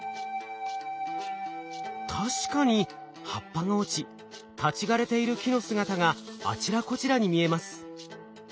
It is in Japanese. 確かに葉っぱが落ち立ち枯れている木の姿があちらこちらに見えます。